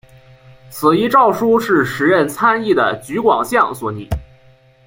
此一诏书是时任参议的橘广相所拟。